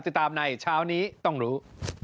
ติดตามในเช้านี้ต้องรู้